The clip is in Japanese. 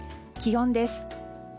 気温です。